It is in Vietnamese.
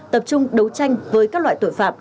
tập trung đấu tranh với các loại tội phạm